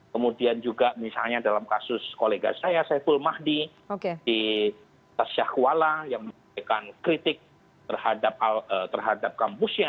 kemudian juga misalnya dalam kasus kolega saya saiful mahdi di tasyahwala yang memberikan kritik terhadap kampusnya